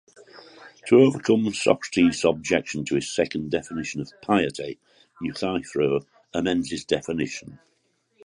To overcome Socrates' objection to his second definition of "piety", Euthyphro amends his definition.